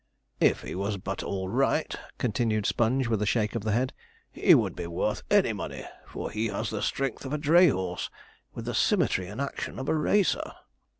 'If he was but all right,' continued Sponge, with a shake of the head, 'he would be worth any money, for he has the strength of a dray horse, with the symmetry and action of a racer.'